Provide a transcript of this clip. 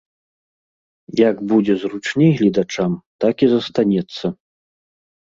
Як будзе зручней гледачам, так і застанецца.